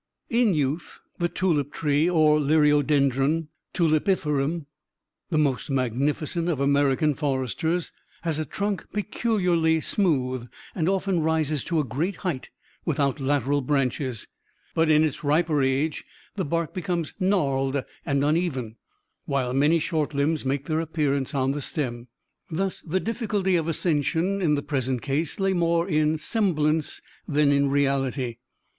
In youth, the tulip tree, or Liriodendron Tulipiferum, the most magnificent of American foresters, has a trunk peculiarly smooth, and often rises to a great height without lateral branches; but, in its riper age, the bark becomes gnarled and uneven, while many short limbs make their appearance on the stem. Thus the difficulty of ascension, in the present case, lay more in semblance than in reality.